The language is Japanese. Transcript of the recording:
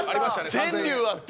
「川柳」あった！